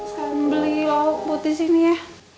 sekarang beli lauk putih disini ya